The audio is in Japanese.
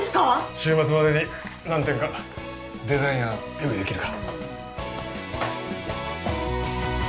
週末までに何点かデザイン案用意できるか？